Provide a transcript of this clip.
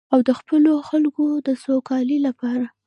او د خپلو خلکو د سوکالۍ لپاره.